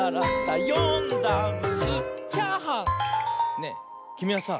ねえきみはさ